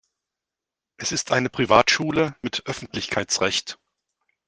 Es ist eine Privatschule mit Öffentlichkeitsrecht.